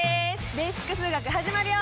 「ベーシック数学」始まるよ！